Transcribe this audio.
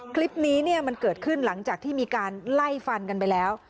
คลิปนี้มันเกิดขึ้นหลังจากที่มีการไล่ฟันกันไปแล้ว